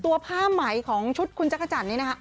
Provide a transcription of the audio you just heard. ตัวผ้าไหมของชุดคุณจั๊กขจันนี่นะครับ